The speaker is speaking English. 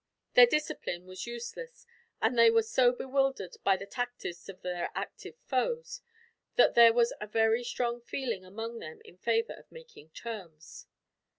Their discipline was useless, and they were so bewildered, by the tactics of their active foes, that there was a very strong feeling among them in favor of making terms.